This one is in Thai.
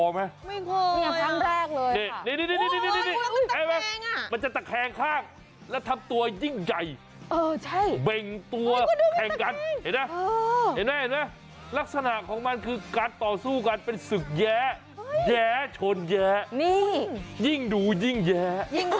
มันจะตะแคงข้างและทำตัวยิ่งใหญ่เบงตัวแขกกันลักษณะของมันคือการต่อสู้กันเป็นสึกแย๊แย๊ชนแย๊ยิ่งดูยิ่งแย๊